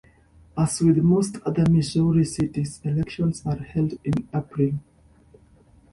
As with most other Missouri cities, elections are held in April.